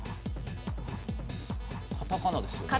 カタカナですよね？